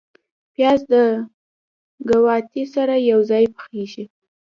پیاز د ګاوتې سره یو ځای پخیږي